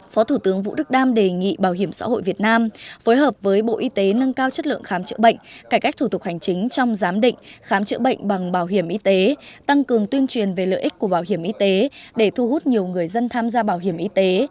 phó thủ tướng vũ đức đam đề nghị bảo hiểm xã hội việt nam phối hợp với bộ y tế nâng cao chất lượng khám chữa bệnh cải cách thủ tục hành chính trong giám định khám chữa bệnh bằng bảo hiểm y tế tăng cường tuyên truyền về lợi ích của bảo hiểm y tế để thu hút nhiều người dân tham gia bảo hiểm y tế